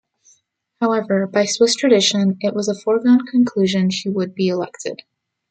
However, by Swiss tradition, it was a foregone conclusion she would be elected.